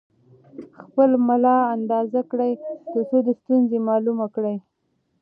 خپل ملا اندازه کړئ ترڅو د ستونزې معلومه کړئ.